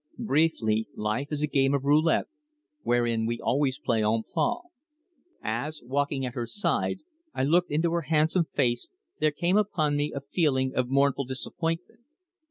Briefly, life is a game of roulette wherein we always play en plein. As, walking at her side, I looked into her handsome face there came upon me a feeling of mournful disappointment.